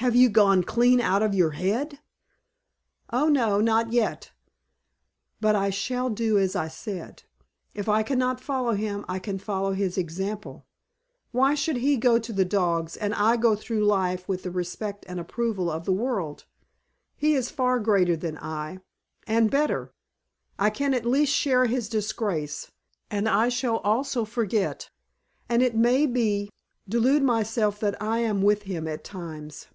"Have you gone clean out of your head?" "Oh, no. Not yet, But I shall do as I said. If I cannot follow him I can follow his example. Why should he go to the dogs and I go through life with the respect and approval of the world? He is far greater than I and better. I can at least share his disgrace, and I shall also forget and, it may be, delude myself that I am with him at times."